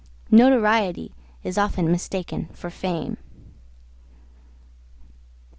Notoriety is often mistaken for fame.